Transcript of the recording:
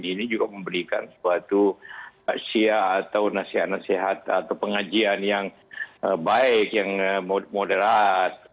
ini juga memberikan suatu asia atau nasihat nasihat atau pengajian yang baik yang moderat